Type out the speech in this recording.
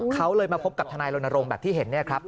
เขาเลยมาพบกับทนายรณรงค์แบบที่เห็นเนี่ยครับ